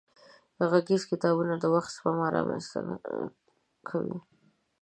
غږيز کتابونه د وخت سپما را منځ ته کوي.